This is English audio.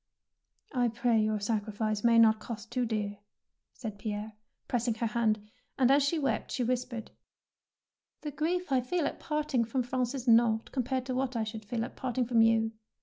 "I pray your sacriflce may not cost too dear," said Pierre, pressing her hand; and as she wept she whis pered, —" The grief I feel at parting from Prance is naught compared to what I should feel at parting from you."